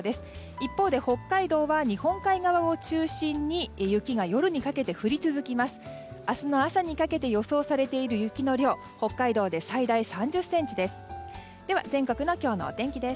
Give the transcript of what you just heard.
一方で北海道は日本海側を中心に雪が夜にかけて降り続きます。